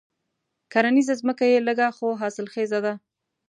کرنيزه ځمکه یې لږه خو حاصل خېزه ده.